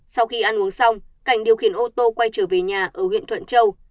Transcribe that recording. sau khi ăn uống xong cảnh điều khiển ô tô quay trở về nhà ở huyện thuận châu